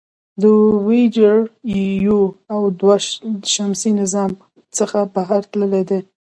د وویجر یو او دوه د شمسي نظام څخه بهر تللي دي.